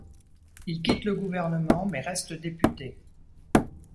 Il quitte le gouvernement mais reste député.